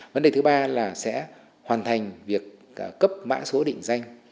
vấn đề thứ ba là sẽ hoàn thành việc cấp mã số định danh